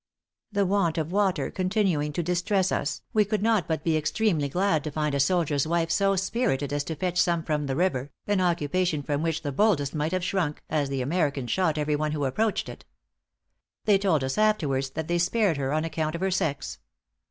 "The want of water continuing to distress us, we could not but be extremely glad to find a soldier's wife so spirited as to fetch some from the river, an occupation from which the boldest might have shrunk, as the Americans shot every one who approached it. They told us afterwards that they spared her on account of her sex.